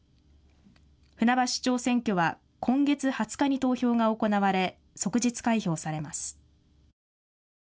船橋市長選挙は今月２０日に投票が行われ、即日開票されます。